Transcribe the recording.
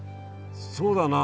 そうだな。